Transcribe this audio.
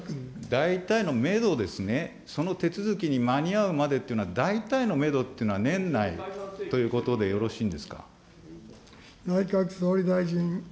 大体のメドですね、その手続きに間に合うまでっていうのは、大体のメドっていうのは年内ということでよろしいんですか。